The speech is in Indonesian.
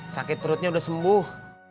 sakit perutnya udah sembuh